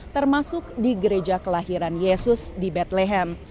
termasuk di gereja kelahiran yesus di betleham